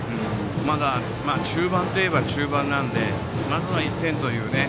まだ中盤といえば中盤なのでまずは１点取りたいですね。